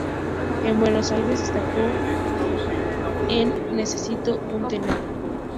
En Buenos Aires, destacó en "Necesito un tenor".